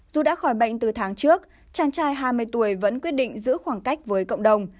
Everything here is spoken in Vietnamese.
dù đã khỏi bệnh từ tháng trước chàng trai hai mươi tuổi vẫn quyết định giữ khoảng cách với cộng đồng